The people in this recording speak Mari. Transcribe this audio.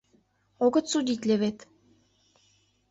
Огыт судитле вет?..